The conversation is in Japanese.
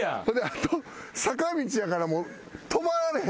あと坂道やからもう止まられへんねん。